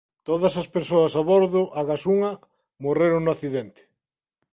Todas as persoas a bordo agás unha morreron no accidente.